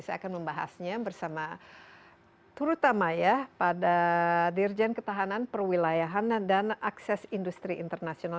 saya akan membahasnya bersama terutama ya pada dirjen ketahanan perwilayahan dan akses industri internasional